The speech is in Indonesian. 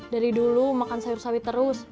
dari dulu makan sayur sawit terus